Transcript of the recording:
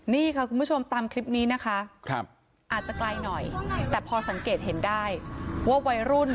นี่ค่ะคุณผู้ชมตามคลิปนี้นะคะอาจจะไกลหน่อยแต่พอสังเกตเห็นได้ว่าวัยรุ่น